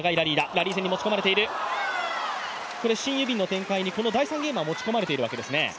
シン・ユビンの展開に、第３ゲームは持ち込まれているわけですね。